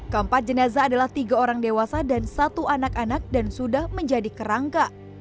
keempat jenazah adalah tiga orang dewasa dan satu anak anak dan sudah menjadi kerangka